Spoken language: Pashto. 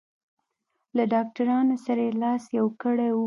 له ډاکټرانو سره یې لاس یو کړی و.